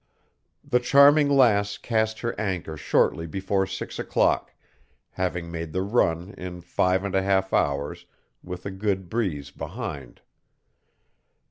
The Charming Lass cast her anchor shortly before six o'clock, having made the run in five and a half hours with a good breeze behind.